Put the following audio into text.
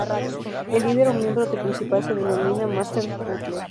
El líder o miembro de principal se denomina Master Cutler.